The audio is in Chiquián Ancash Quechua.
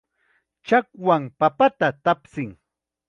Chakwam papata tawshin.